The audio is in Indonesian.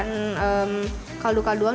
kalau yang lagi enggak makan kaldu kalduan